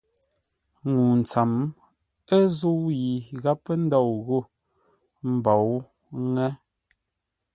Ŋuu tsəm, ə́ zə̂u yi gháp pə́ ndôu ghô; ə́ mbǒu ŋə́.